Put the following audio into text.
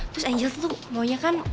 terus angel tuh maunya kan